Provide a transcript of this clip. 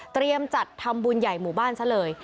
จัดทำบุญใหญ่หมู่บ้านซะเลย